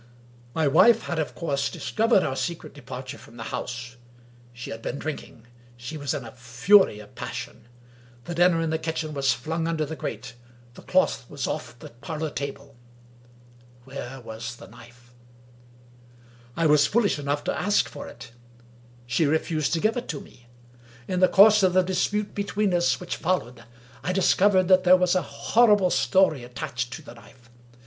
XII My wife had, of course, discovered our secret departure from the house. She had been drinking. She was in a fury of passion. The dinner in the kitchen was flung under the grate; the cloth was off the parlor table. Where was the knife? 249 English Mystery Stories I was foolish enough to ask for it. She refused to give it to me. In the course of the dispute between us which followed, I discovered that there was a horrible story at tached to the knife.